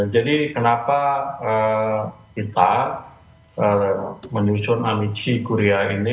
jadi kenapa kita menyusun amici curiae ini